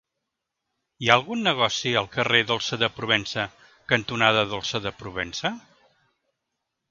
Hi ha algun negoci al carrer Dolça de Provença cantonada Dolça de Provença?